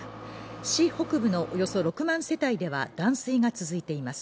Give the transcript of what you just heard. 市北部のおよそ６万世帯では断水が続いています。